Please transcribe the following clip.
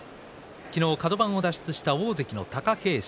昨日、カド番を脱出した大関の貴景勝。